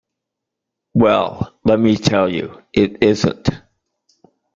Well, let me tell you, it isn't!